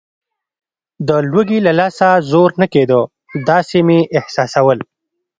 د لوږې له لاسه زور نه کېده، داسې مې احساسول.